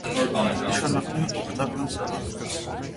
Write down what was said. Նշանակում է ուխտական զավակ։